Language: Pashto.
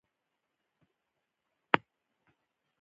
دا عمل د جزا قانون له مخې منع دی.